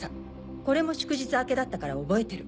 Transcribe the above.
これも祝日明けだったから覚えてる。